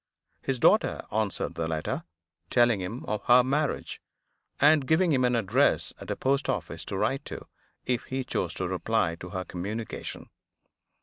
His daughter answered the letter, telling him of her marriage, and giving him an address at a post office to write to, if he chose to reply to her communication.